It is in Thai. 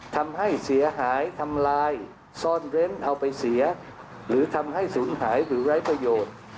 ทำให้เสียหายทำลายซ่อนเร้นเอาไปเสียหรือทำให้สูญหายหรือไร้ประโยชน์